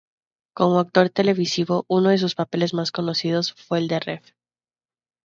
Como actor televisivo, uno de sus papeles más conocidos fue el del Rev.